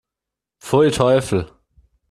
Pfui, Teufel!